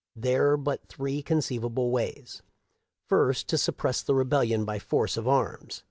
There are but three conceivable ways. " First, to suppress the rebellion by force of arms.